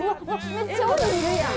めっちゃ鬼いるやん！